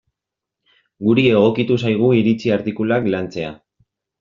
Guri egokitu zaigu iritzi artikuluak lantzea.